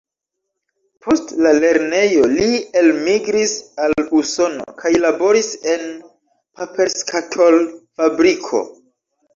Post la lernejo li elmigris al Usono kaj laboris en paperskatol-fabriko.